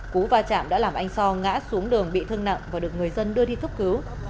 cú va chạm đã làm anh so ngã xuống đường bị thương nặng và được người dân đưa đi cấp cứu